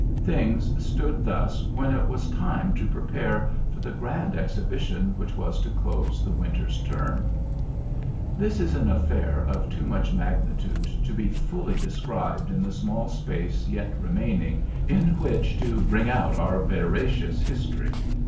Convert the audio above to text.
Things stood thus when it was time to prepare for the grand exhibition which was to close the winter's term. This is an affair of too much magnitude to be fully described in the small space yet remaining in which to bring out our veracious history.